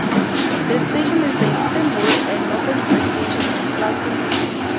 This station is the easternmost and northernmost station in Klaten regency.